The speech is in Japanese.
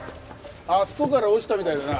あそこから落ちたみたいだな。